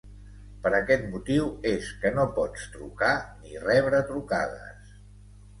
Per aquest motiu és que no pots trucar ni rebre trucades.